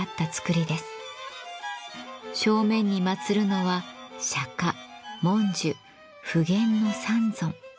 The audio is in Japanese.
正面に祭るのは釈文殊普賢の三尊。